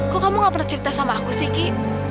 kok kamu gak pernah cerita sama aku sih ki